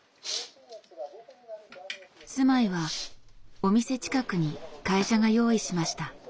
住まいはお店近くに会社が用意しました。